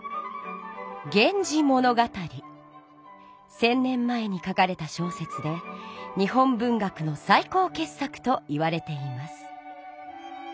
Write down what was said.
１，０００年前に書かれた小説で日本文学の最高傑作といわれています。